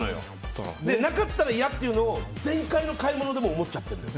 なかったら嫌っていうのを前回の買い物でも思っちゃってるのよ。